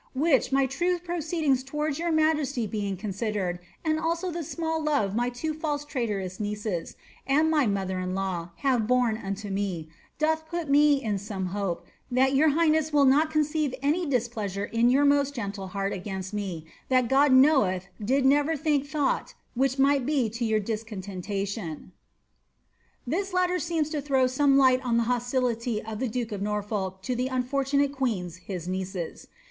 Which my true proceedings towards your majesty being considered, and also the small love my two fiilse traitorous nieces, and my mother in law, have borne unto me, doth put me in some hope, that your highness will not conceive any displeasure in your most gentle heart against me, that God knoweth did never think thought wliich might be to your discontcntation."* This letter seems to throw some light on the hostility of the duke of Norfolk to the unfortunate queens his nieces.